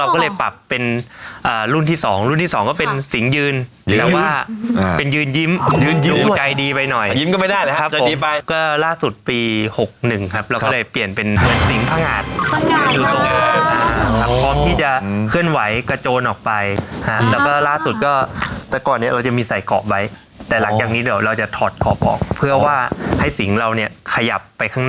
อ่ารุ่นที่สองรุ่นที่สองก็เป็นสิงยืนแล้วว่าเป็นยืนยิ้มยืนยืนอยู่ใจดีไปหน่อยยิ้มก็ไม่ได้เลยฮะจะดีไปก็ล่าสุดปีหกหนึ่งครับเราก็เลยเปลี่ยนเป็นสิงสงาดที่จะเคลื่อนไหวกระโจนออกไปฮะแล้วก็ล่าสุดก็แต่ก่อนเนี้ยเรายังมีใส่ขอบไว้แต่หลักจากนี้เดี๋ยวเราจะถอดขอบออกเพื่อว่าให้สิงเราเนี้ยขยับ